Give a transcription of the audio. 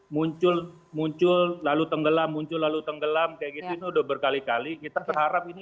muncul muncul lalu tenggelam muncul lalu tenggelam kayak gitu ini udah berkali kali kita berharap ini